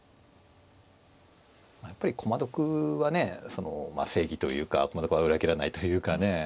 やっぱり駒得はね正義というか駒得は裏切らないというかね。